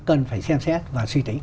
cần phải xem xét và suy tính